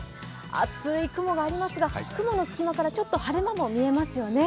厚い雲がありますが雲の隙間からちょっと晴れ間も見えますよね。